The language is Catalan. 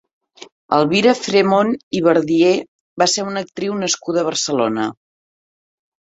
Elvira Fremont i Verdier va ser una actriu nascuda a Barcelona.